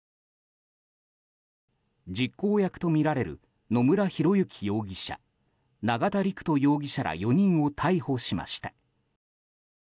実行役とみられる野村広之容疑者永田陸人容疑者ら４人を逮捕しました。